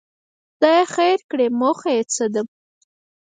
خدای خیر کړي، موخه یې څه ده.